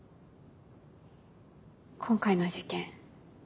今回の事件